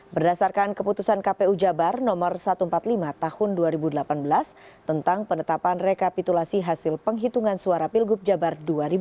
berdasarkan keputusan kpu jabar nomor satu ratus empat puluh lima tahun dua ribu delapan belas tentang penetapan rekapitulasi hasil penghitungan suara pilgub jabar dua ribu delapan belas